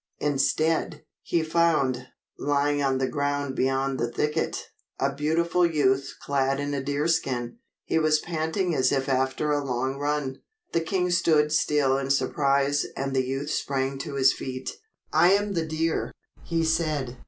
Instead, he found, lying on the ground beyond the thicket, a beautiful youth clad in a deer skin. He was panting as if after a long run. The king stood still in surprise and the youth sprang to his feet. "I am the deer," he said.